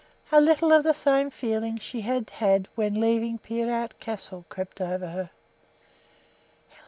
A little of the same feeling she had had when leaving Peerout Castle crept over her.